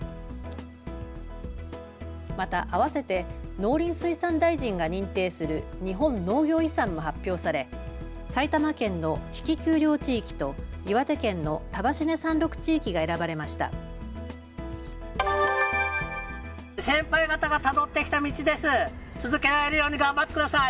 また、あわせて農林水産大臣が認定する日本農業遺産も発表され埼玉県の比企丘陵地域と岩手県の束稲山麓地域が選ばれました。